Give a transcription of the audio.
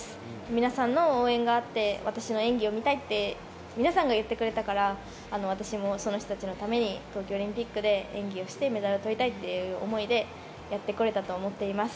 皆さんの応援があって私の演技を見たいと皆さんが言ってくれたから私も、その人たちのために東京オリンピックで演技をしてメダルを取りたいという思いでやってこれたと思います。